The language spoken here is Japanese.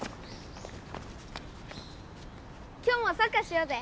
今日もサッカーしようぜ。